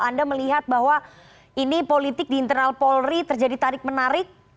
anda melihat bahwa ini politik di internal polri terjadi tarik menarik